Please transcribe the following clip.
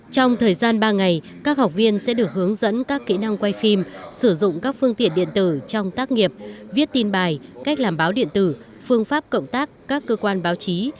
trong thời gian ba ngày các học viên sẽ được hướng dẫn các kỹ năng quay phim sử dụng các phương tiện điện tử trong tác nghiệp viết tin bài cách làm báo điện tử phương pháp cộng tác các cơ quan báo chí